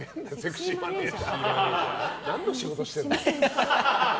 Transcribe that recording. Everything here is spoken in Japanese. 何の仕事してんだよ。